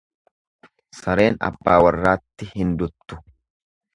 Sareen abbaa warraatti hin duttu.